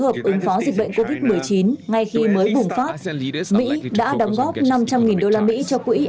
hợp ứng phó dịch bệnh covid một mươi chín ngay khi mới bùng phát mỹ đã đóng góp năm trăm linh đô la mỹ cho quỹ